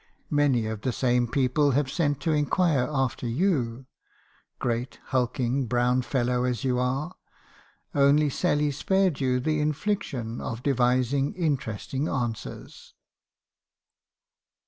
Many of the same people have sent to inquire after you, — great, hulking, brown fellow as you are, — only Sally spared you the infliction of devising interesting answers."